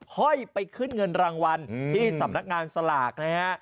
ห้อยไปขึ้นเงินรางวัลที่สำนักงานสลากนะฮะ